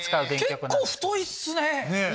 結構太いっすね！